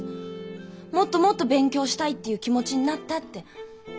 もっともっと勉強したいっていう気持ちになったって。